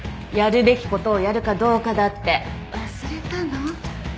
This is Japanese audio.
やるべきことをやるかどうかだって忘れたの？